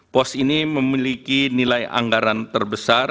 pos ini memiliki nilai anggaran terbesar